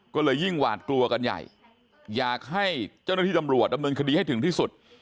ก็เลยยิ่งหวาดกลัวกันใหญ่อยากให้เจ้าหน้าที่ตำรวจดำเนินคดีให้ถึงที่สุด